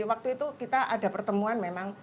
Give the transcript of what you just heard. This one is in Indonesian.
waktu itu kita ada pertemuan memang